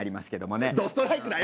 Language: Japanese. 春日：どストライクだよ！